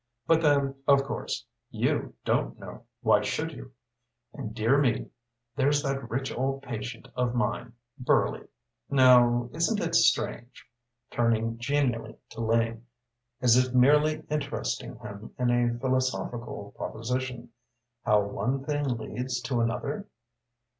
But then, of course, you don't know why should you? And, dear me there's that rich old patient of mine, Burley. Now isn't it strange," turning genially to Lane, as if merely interesting him in a philosophical proposition "how one thing leads to another?